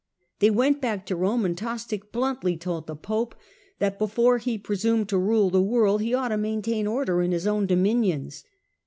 They went back to Rome, and Tostig bluntly told the pope that before he presumed to rule the world he ought to maintain order in his own dominions.